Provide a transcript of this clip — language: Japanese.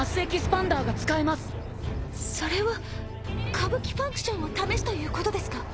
カブキファンクションを試すということですか？